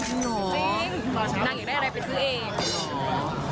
จริงนั่งอย่างไรเป็นคือเอง